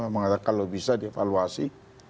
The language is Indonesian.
mengatakan kalau bisa dia evaluasi